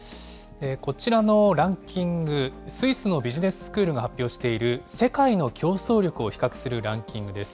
こちらのランキング、スイスのビジネススクールが発表している世界の競争力を比較するランキングです。